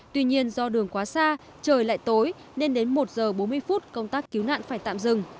tuy nhiên do đường quá xa trời lại tối nên đến một giờ bốn mươi phút công tác cứu nạn phải tạm dừng